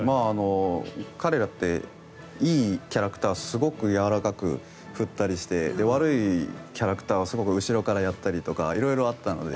彼らっていいキャラクターすごくやわらかく振ったりしてで、悪いキャラクターはすごく後ろからやったりとか色々あったので。